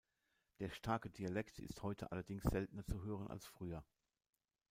Der starke Dialekt ist heute allerdings seltener zu hören als früher.